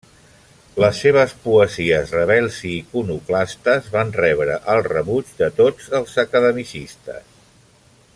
Les seves poesies rebels i iconoclastes van rebre el rebuig de tots els academicistes.